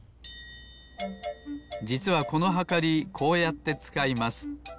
じつはこのはかりこうやってつかいます。